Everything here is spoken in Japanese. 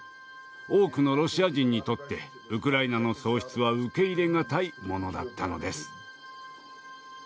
多くのロシア人にとってウクライナの喪失は受け入れ難いものだったのです。